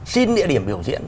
xin địa điểm biểu diễn